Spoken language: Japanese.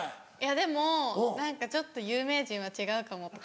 でも何かちょっと有名人は違うかもとか。